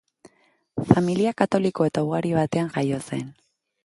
Familia katoliko eta ugari batean jaio zen.